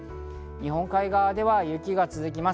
日本海側では雪が続きます。